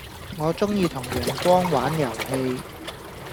我鐘意同陽光玩遊戲